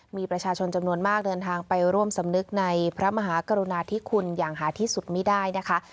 มีประชาชนจำนวนมากเดินทางไปร่วมสำนึกในพระมหากรุณาธิคุณอย่างหาที่สุดไม่ได้นะคะ